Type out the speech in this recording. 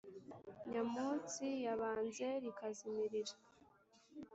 nyamunsi yabanze rikazimirira